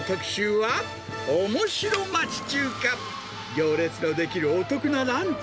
行列の出来るお得なランチ。